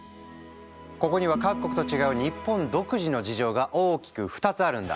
ここには各国と違う日本独自の事情が大きく２つあるんだ。